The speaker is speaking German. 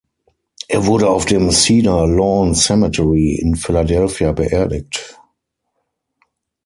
Er wurde auf dem "Cedar Lawn Cemetery" in Philadelphia beerdigt.